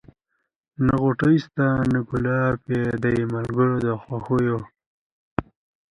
نه غوټۍ سته نه ګلاب یې دی ملګری د خوښیو